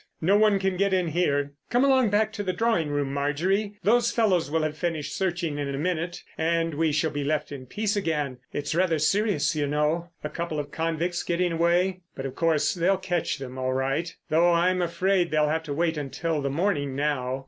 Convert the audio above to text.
No one can get in here. Come along back to the drawing room, Marjorie. Those fellows will have finished searching in a minute and we shall be left in peace again. It's rather serious, you know, a couple of convicts getting away. But, of course, they'll catch them all right—though I'm afraid they'll have to wait until the morning now."